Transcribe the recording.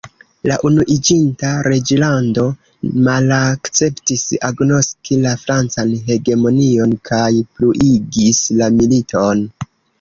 La Unuiĝinta Reĝlando malakceptis agnoski la Francan hegemonion kaj pluigis la militon.